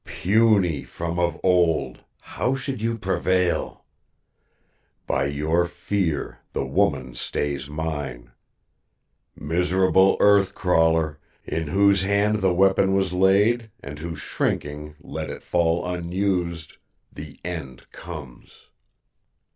"Puny from of old, how should you prevail? By your fear, the woman stays mine. Miserable earth crawler, in whose hand the weapon was laid and who shrinking let it fall unused, the end comes."